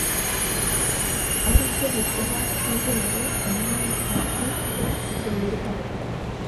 aribyo biguha kw’ibere umwamikazi wo kugumirwa